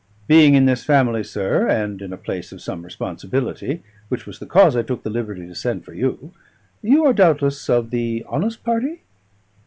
Being in this family, sir, and in a place of some responsibility (which was the cause I took the liberty to send for you), you are doubtless of the honest party?"